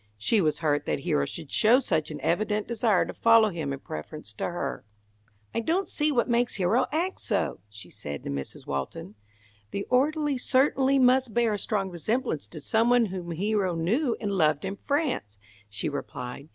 She was hurt that Hero should show such an evident desire to follow him in preference to her. "I don't see what makes Hero act so," she said to Mrs. Walton. "The orderly certainly must bear a strong resemblance to some one whom Hero knew and loved in France," she replied.